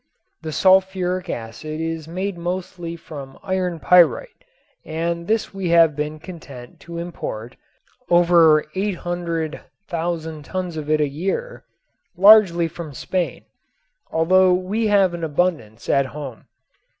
The sulfuric acid is made mostly from iron pyrite and this we have been content to import, over 800,000 tons of it a year, largely from Spain, although we have an abundance at home.